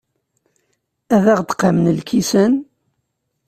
Ad aɣ-d-qamen lkisan?